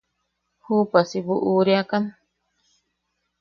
–¿Juupa si buʼureakan?